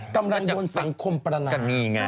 กำลังโดนสังคมประนามกัน